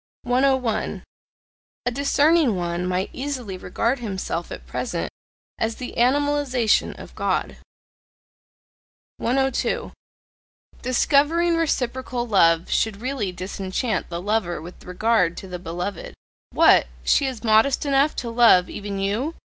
101. A discerning one might easily regard himself at present as the animalization of God. 102. Discovering reciprocal love should really disenchant the lover with regard to the beloved. "What! She is modest enough to love even you?